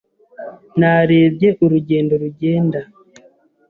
Narebye urugendo rugenda.